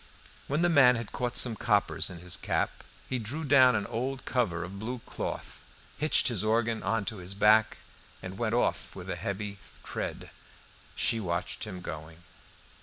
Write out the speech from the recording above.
When the man had caught some coppers in his cap, he drew down an old cover of blue cloth, hitched his organ on to his back, and went off with a heavy tread. She watched him going.